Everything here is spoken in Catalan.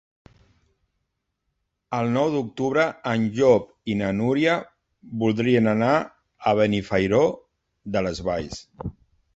El nou d'octubre en Llop i na Núria voldrien anar a Benifairó de les Valls.